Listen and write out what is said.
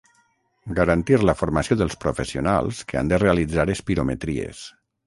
Garantir la formació dels professionals que han de realitzar espirometries.